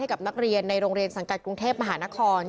กับนักเรียนในโรงเรียนสังกัดกรุงเทพมหานคร